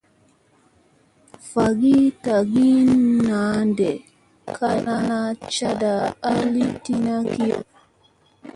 Vaagi tagi naa ɗee kay ana caɗ a li tina ay kiyo.